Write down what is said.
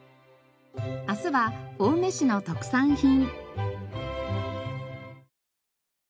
明日は青梅市の特産品。